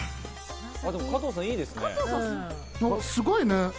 加藤さん、いいですね。